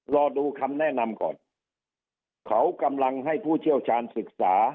รอดูคำแนะนำก่อนเขากำลังให้ผู้เชี่ยวชาญศึกษา